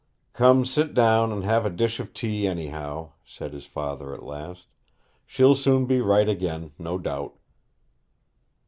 'Come, sit down and have a dish of tea, anyhow,' said his father at last. 'She'll soon be right again, no doubt.'